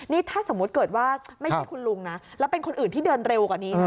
นี่ถ้าสมมุติเกิดว่าไม่ใช่คุณลุงนะแล้วเป็นคนอื่นที่เดินเร็วกว่านี้นะ